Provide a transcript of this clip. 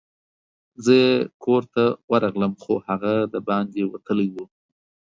زه یې کور ته ورغلم، خو هغه دباندي وتلی وو.